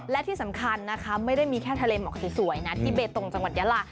และที่สำคัญนะคะไม่ได้มีแค่ทะเลหมอกสวยนะที่เบตงจังหวัดยาลา